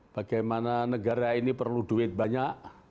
bagaimana negara ini perlu duit banyak